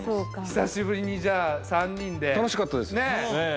久しぶりにじゃあ３人で楽しかったですね